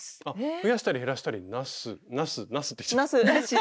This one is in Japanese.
増やしたり減らしたりなすなすって言っちゃった。